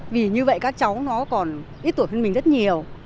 vì như vậy các cháu nó còn ít tuổi hơn mình rất nhiều